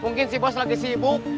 mungkin si bos lagi sibuk